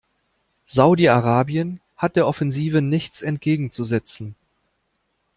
Saudi-Arabien hat der Offensive nichts entgegenzusetzen.